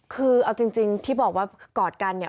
คือเอาจริงที่บอกว่ากอดกันเนี่ย